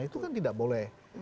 itu kan tidak boleh